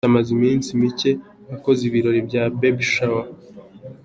Beyonce amaze iminsi micye akoze ibirori bya 'Baby shower'.